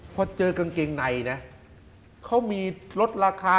พอเจอกางเกงในนะเขามีลดราคา